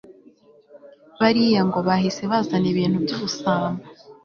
bariya ngo bahise bazana ibintu byubusambo